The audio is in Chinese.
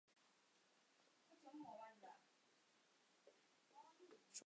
以应图谶。